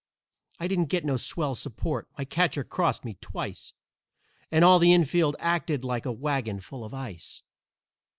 I didn't get no swell support; my catcher crossed me twice And all the infield acted like a wagon full of ice.